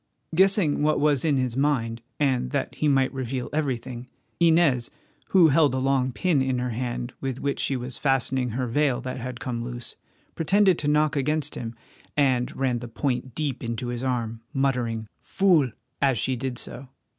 Guessing what was in his mind, and that he might reveal everything, Inez, who held a long pin in her hand with which she was fastening her veil that had come loose, pretended to knock against him, and ran the point deep into his arm, muttering, "Fool!" as she did so.